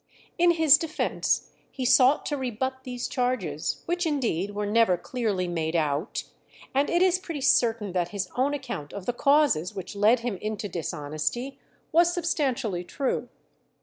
In his defence he sought to rebut these charges, which indeed were never clearly made out, and it is pretty certain that his own account of the causes which led him into dishonesty was substantially true.